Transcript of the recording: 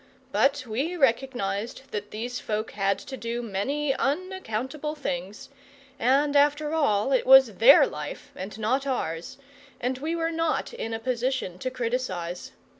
But we recognized that these folk had to do many unaccountable things, and after all it was THEIR life, and not ours, and we were not in a position to criticise.